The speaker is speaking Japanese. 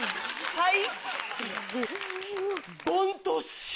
はい？